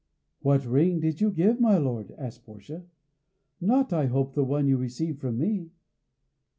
"What ring did you give, my lord?" asked Portia. "Not, I hope, the one you received from me."